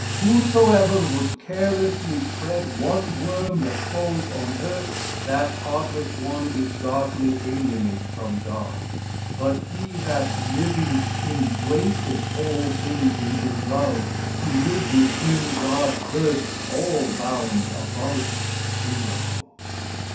"Whosoever would carelessly tread one worm that crawls on earth, that heartless one is darkly alienate from God; but he that, living, embraceth all things in his love, to live with him God bursts all bounds above, below."